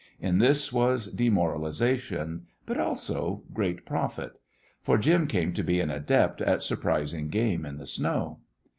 In this was demoralisation, but also great profit. For Jim came to be an adept at surprising game in the snow.